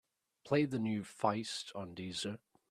play the new Feist on deezer